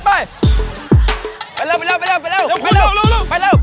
ไปเร็วเร็ว